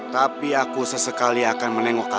jawab dinda naungula